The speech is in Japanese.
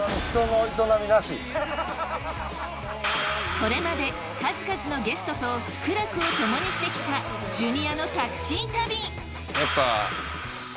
これまで数々のゲストと苦楽をともにしてきたジュニアのタクシー旅。